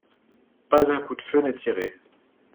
Pas un coup de feu n'est tiré.